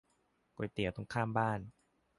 ร้านก๋วยเตี๋ยวตรงข้ามบ้าน